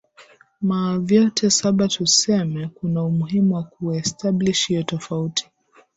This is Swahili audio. ma vyote saba tuseme kunaumuhimu wa kuestablish hiyo tofauti